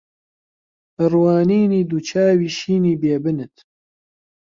بە ڕوانینی دوو چاوی شینی بێ بنت